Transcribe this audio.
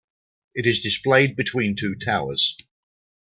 It is displayed between two towers.